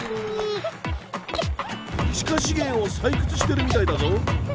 地下資源を採掘してるみたいだぞ。